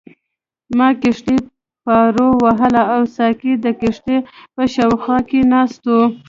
ما کښتۍ پارو وهله او ساقي د کښتۍ په شا کې ناست وو.